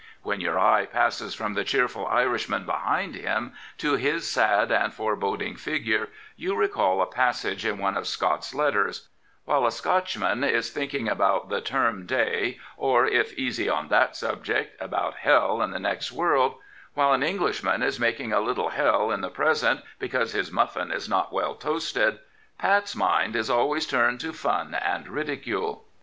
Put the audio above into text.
When your eye passes from the cheerful Irishmen behind him to his sad and foreboding figure, you recall a passage in one of Scott's letters: '' While a Scotchman is thinking about the term day, or, if easy on that subject, about hell in the next world — ^while an Englishman is making a little hell in the present bj^use his iimffin is not well toasted — Pat's mind is always turned to fun and ridicule."